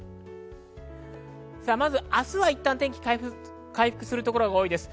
まず明日はいったん天気、回復するところが多いです。